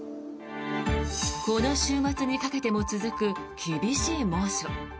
この週末にかけても続く厳しい猛暑。